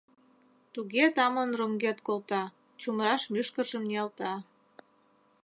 Туге тамлын роҥгед колта, чумыраш мӱшкыржым ниялта.